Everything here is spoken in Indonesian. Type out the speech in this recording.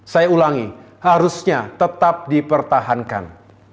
saya ulangi harusnya tetap dipertahankan